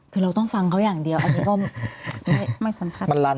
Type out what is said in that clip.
คือเราต้องฟังเขาอย่างเดียวอันนี้ก็ไม่สำคัญ